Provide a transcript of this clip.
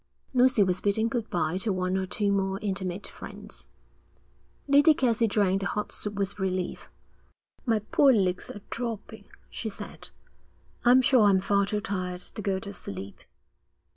Lucy was bidding good bye to one or two more intimate friends. Lady Kelsey drank the hot soup with relief. 'My poor legs are dropping,' she said. 'I'm sure I'm far too tired to go to sleep.'